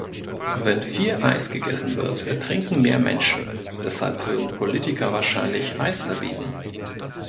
Wenn viel Eis gegessen wird, ertrinken mehr Menschen - deshalb würden Politiker wahrscheinlich Eis verbieten.